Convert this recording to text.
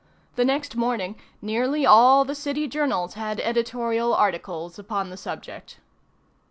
The next morning nearly all the city journals had editorial articles upon the subject.